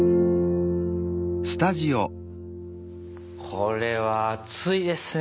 これは熱いですね